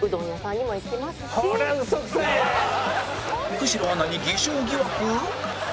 久代アナに偽証疑惑！？